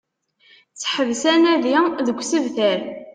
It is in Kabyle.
Seḥbes anadi deg usebter